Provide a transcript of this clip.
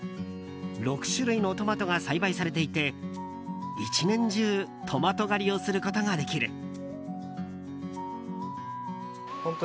６種類のトマトが栽培されていて１年中、トマト狩りをすることができる。